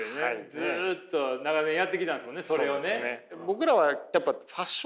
ずっと長年やってきたんですもんねそれをね。